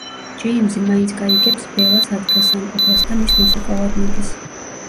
ჯეიმზი მაინც გაიგებს ბელას ადგილსამყოფელს და მის მოსაკლავად მიდის.